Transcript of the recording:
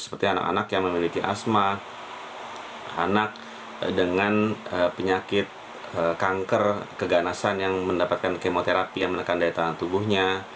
seperti anak anak yang memiliki asma anak dengan penyakit kanker keganasan yang mendapatkan kemoterapi yang menekan daya tahan tubuhnya